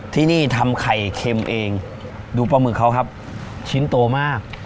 ที่นี่ทำไข่เค็มเองดูปลาหมึกเขาครับชิ้นโตมาก